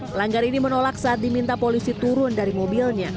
pelanggar ini menolak saat diminta polisi turun dari mobilnya